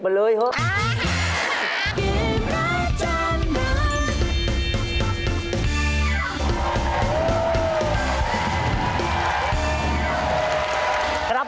สุดยอด